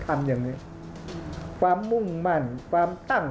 ภาคอีสานแห้งแรง